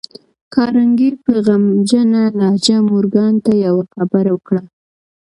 کارنګي په غمجنه لهجه مورګان ته يوه خبره وکړه.